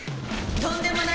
とんでもない。